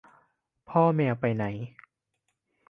พ่อแมวไปไหน